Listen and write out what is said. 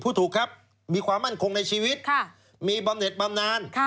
พูดถูกครับมีความมั่นคงในชีวิตมีบำเน็ตบำนาน